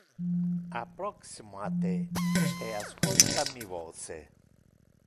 Approxima te e ascolta mi voce.